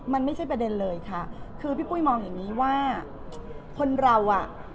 มันไม่ใช่ประเด็นเลยค่ะคือพี่ปุ้ยมองอย่างนี้ว่าคนเราอ่ะ